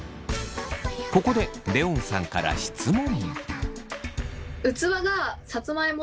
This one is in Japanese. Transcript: ここでレオンさんから質問。